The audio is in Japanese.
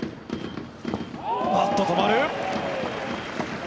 バット、止まる。